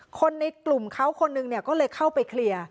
คนในกลุ่มเขาคนนึงเนี่ยก็เลยเข้าไปเคลียร์